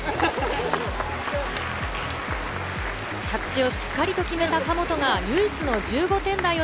着地をしっかり決めた神本が唯一の１５点台を